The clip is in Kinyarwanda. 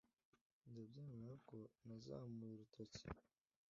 “ndabyemera ko nazamuye urutoki